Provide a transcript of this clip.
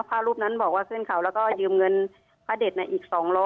พระรูปนั้นบอกว่าขึ้นเขาแล้วก็ยืมเงินพระเด็ดอีก๒๐๐